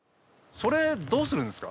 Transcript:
それどうするんですか？